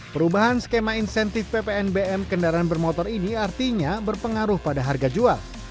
perubahan skema insentif ppnbm kendaraan bermotor ini artinya berpengaruh pada harga jual